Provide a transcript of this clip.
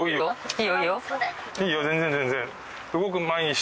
・いいよ全然全然。